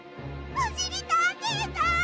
おしりたんていさん！